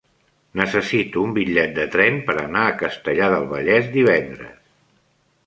Necessito un bitllet de tren per anar a Castellar del Vallès divendres.